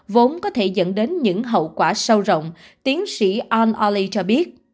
vốn có thể dẫn đến những hậu quả sâu rộng tiến sĩ anne olley cho biết